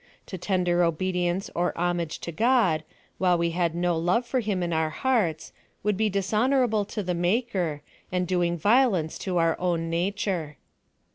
To tender obedience or homage to God, while we had no love for him in our hearts, would be dishonora ble to the Maker, and doing violence to our own nature.